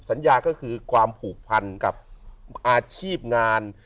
สัญญาก็คือความผูกพันกับอาชีพงาน